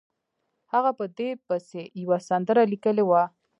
هغه په دې پسې یوه سندره لیکلې وه.